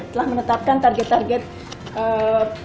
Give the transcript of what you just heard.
telah menetapkan target target pemerintah